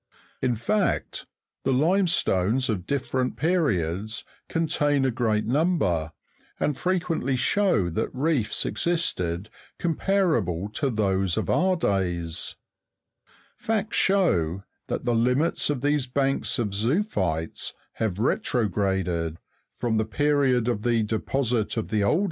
In fact, the limestones of different periods contain a great number, and frequently show that reefs existed corn parable to those of our days. Facts show that the limits of these banks of zo'ophytes have retrograded, from the period of the deposit of the oldest 13 146 CONSEQUENCES OF CENTRAL HEAT.